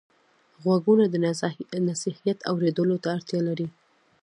غوږونه د نصیحت اورېدلو ته اړتیا لري